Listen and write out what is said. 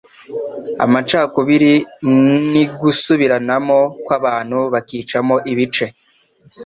Amacakubiri ni Gusubiranamo kw'abantu bakicamo ibice